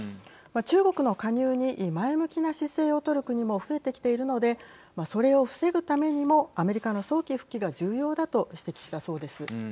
中国の加入に前向きな姿勢を取る国も増えてきているのでそれを防ぐためにもアメリカの早期復帰が重要だと指摘したそうです。